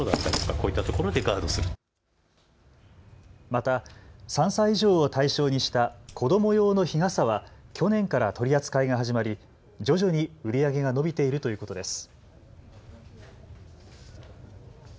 また、３歳以上を対象にした子ども用の日傘は去年から取り扱いが始まり徐々に売り上げが伸びているということです。